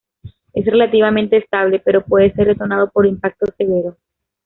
Es relativamente estable, pero puede ser detonado por impacto severo.